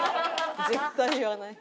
絶対言わない。